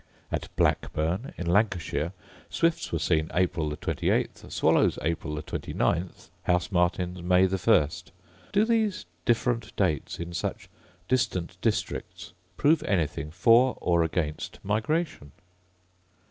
At Blackburn, in Lancashire, swifts were seen April the 28th, swallows April the 29th, house martins May the 1st. Do these different dates, in such distant districts, prove anything for or against migration